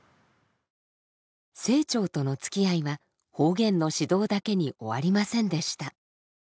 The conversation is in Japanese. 清張とのつきあいは方言の指導だけに終わりませんでした。